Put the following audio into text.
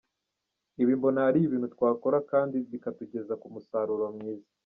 Ibi mbona ari ibintu twakora kandi bikatugeza ku musaruro mwiza.